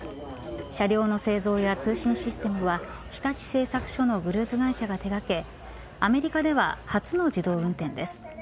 車両の製造や通信システムは日立製作所のグループ会社が手がけアメリカでは初の自動運転です。